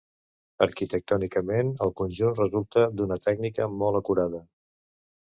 Arquitectònicament, el conjunt resulta d'una tècnica molt acurada.